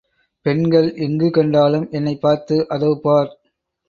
பெண்கள் எங்கு கண்டாலும், என்னைப் பார்த்து, அதோ பார்!